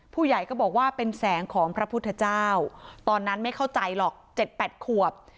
ผู้ใหญ่ก็บอกว่าเป็นแสงของพระพุทธเจ้าตอนนั้นไม่เข้าใจหรอก๗๘ขวบ